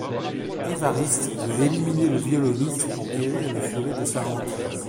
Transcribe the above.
Evariste veut éliminer le violoniste pour guérir le furet de sa hantise.